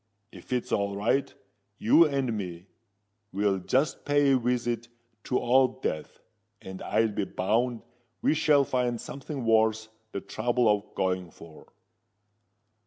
If it's all right, you and me will just pay a visit to Old Death; and I'll be bound we shall find something worth the trouble of going for."